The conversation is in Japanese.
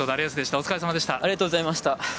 お疲れさまでした。